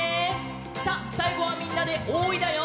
さあさいごはみんなで「おーい」だよ！